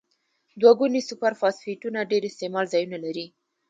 دوه ګونې سوپر فاسفیټونه ډیر استعمال ځایونه لري.